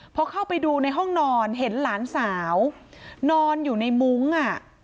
พอเข้าไปดูในห้องนอนเห็นหลานสาวนอนอยู่ในมุ้งอ่ะ